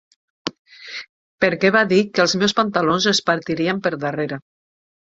Perquè va dir que els meus pantalons es partirien per darrera.